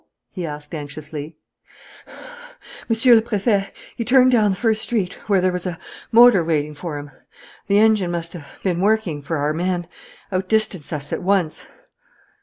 he asked anxiously, "Monsieur le Préfet, he turned down the first street, where there was a motor waiting for him. The engine must have been working, for our man outdistanced us at once."